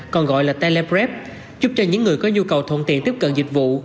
còn gọi là teleprep giúp cho những người có nhu cầu thuận tiện tiếp cận dịch vụ